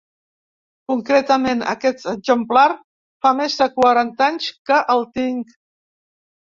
Concretament, aquest exemplar fa més de quaranta anys que el tinc.